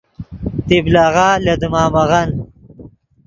طبلغہ لے دیمامغن